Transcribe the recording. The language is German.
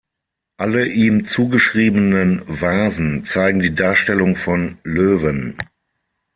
Alle ihm zugeschriebenen Vasen zeigen die Darstellung von Löwen.